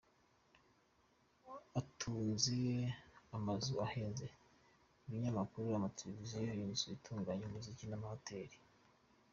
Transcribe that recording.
Atunze amazu ahenze, ibinyamakuru, amateleviziyo, inzu itunganya umuziki n’amahoteli.